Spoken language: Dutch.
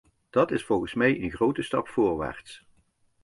Dat is volgens mij een grote stap voorwaarts.